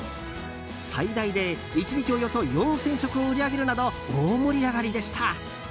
最大で１日およそ４０００食を売り上げるなど大盛り上がりでした。